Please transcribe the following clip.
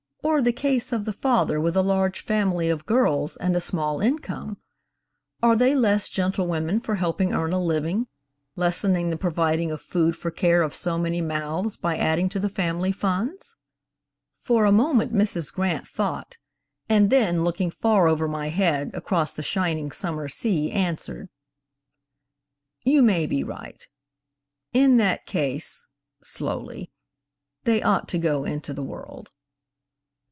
Or, the case of the father with a large family of girls and a small income–are they less gentlewomen for helping earn a living, lessening the providing of food for care of so many mouths by adding to the family funds?' "For a moment Mrs. Grant thought, and then, looking far over my head, across the shining summer sea, answered: 'You may be right; in that case,' slowly, 'they ought to go into the world.'"